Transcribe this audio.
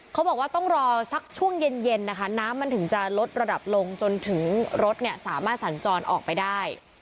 เขาบอกว่าต้องรอสักช่วงเย็นนะคะน้ำมันถึงจะลดระดับลงจนถึงรถเนี่ยสามารถสัญจรออกไปได้